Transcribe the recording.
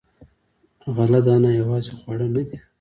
غله دانه یوازې خواړه نه دي.